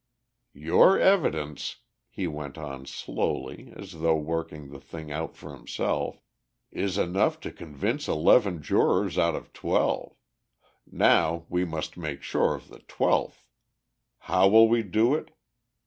"Your evidence," he went on slowly, as though working the thing out for himself, "is enough to convince eleven jurors out of the twelve; now we must make sure of the twelfth. How will we do it?